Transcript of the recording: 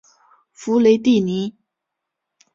弗雷蒂尼。